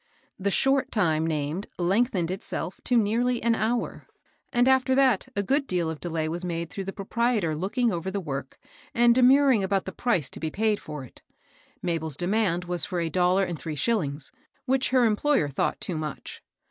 The short time named lengthened itself to nearly an hour ; and, after that, a good deal of delay was made through the proprietor looking over the work, and demurring about the price to be paid for it. Mabel's demand was for a dollar and three shillings, whidi her employer thought too much.